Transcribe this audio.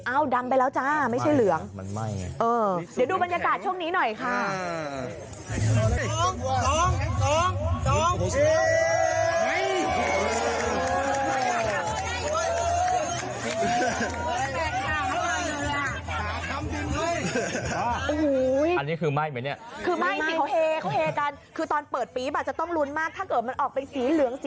อ้าวดำไปแล้วจ้าไม่ใช่เหลือง